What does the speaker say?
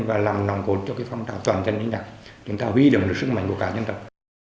và làm nòng cốt cho cái phong trào toàn dân bình đẳng chúng ta huy động được sức mạnh của cả dân tộc